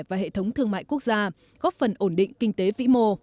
và hệ thống thương mại quốc gia góp phần ổn định kinh tế vĩ mô